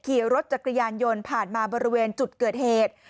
ขี่รถจักรยานยนต์ผ่านมาบริเวณจุดเกิดเหตุ